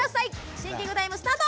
シンキングタイムスタート！